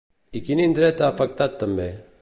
I quin indret ha afectat també?